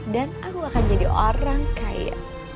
dan aku akan jadi orang kaya